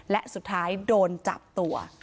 และสุดท้ายโดนจับตัว